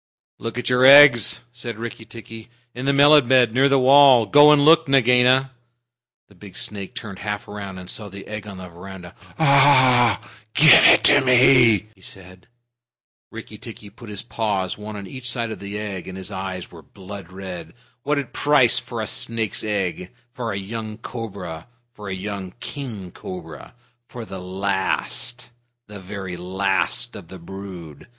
"Look at your eggs," said Rikki tikki, "in the melon bed near the wall. Go and look, Nagaina!" The big snake turned half around, and saw the egg on the veranda. "Ah h! Give it to me," she said. Rikki tikki put his paws one on each side of the egg, and his eyes were blood red. "What price for a snake's egg? For a young cobra? For a young king cobra? For the last the very last of the brood?